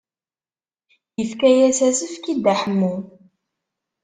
Yefka-as asefk i Dda Ḥemmu.